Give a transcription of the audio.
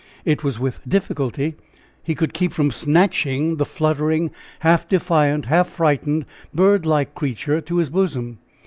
It was with difficulty he could keep from snatching the fluttering, half defiant, half frightened, bird like creature to his bosom.